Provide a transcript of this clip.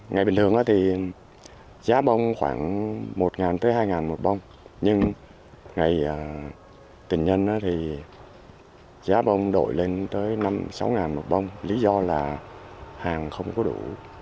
ngày bình thường thì giá bông khoảng một tới hai một bông nhưng ngày tình nhân thì giá bông đổi lên tới năm sáu một bông lý do là hàng không có đủ